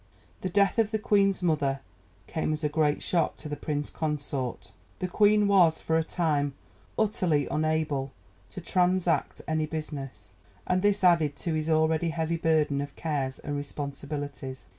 The death of the Queen's' mother came as a great shock to the Prince Consort. The Queen was, for a time, utterly unable to transact any business, and this added to his already heavy burden of cares and responsibilities.